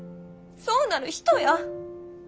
そうなる人や。